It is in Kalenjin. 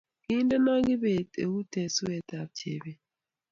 Kiindeno kibet eut eng suwetab Chebet